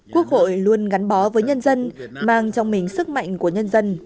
quốc hội luôn gắn bó với nhân dân mang trong mình sức mạnh của nhân dân